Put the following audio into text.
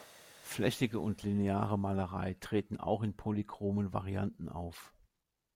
Flächige und lineare Malerei treten auch in polychromen Varianten auf.